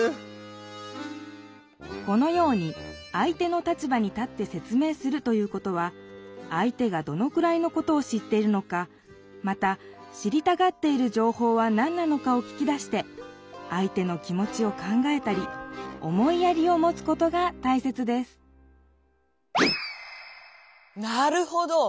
このように「相手の立場に立って説明する」ということは相手がどのくらいのことを知っているのかまた知りたがっているじょうほうは何なのかを聞き出して相手の気もちを考えたり思いやりをもつことがたいせつですなるほど！